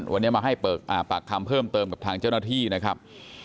วันนี้มาให้ปากคำเพิ่มเติมกับทางเจ้าหน้าที่นะครับ